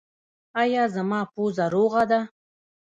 ایا زما پوزه روغه ده؟